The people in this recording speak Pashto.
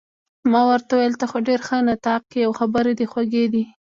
ما ورته وویل: ته خو ډېر ښه نطاق يې، او خبرې دې خوږې دي.